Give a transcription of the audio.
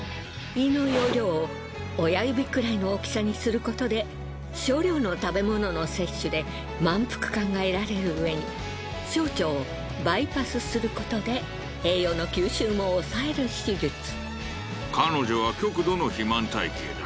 胃の容量を親指くらいの大きさにすることで少量の食べ物の摂取で満腹感が得られるうえに小腸をバイパスする事で栄養の吸収も抑える手術。